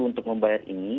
untuk pembayar ini